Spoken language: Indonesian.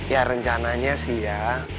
ya rencananya sih ya